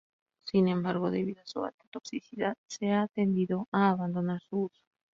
Sin embargo, debido a su alta toxicidad, se ha tendido a abandonar su uso.